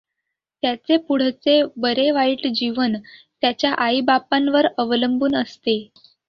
त्याचे पुढचे बरे-वाईट जीवन त्याच्या आईबापांवर अवलंबून असते.